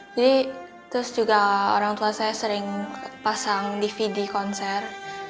jadi terus juga orang tua saya sering pasang dvd konser